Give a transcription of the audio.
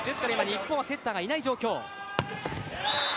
日本はセッターがいない状況。